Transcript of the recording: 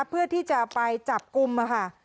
เพื่อที่จะไปจับกลุ่มค่ะ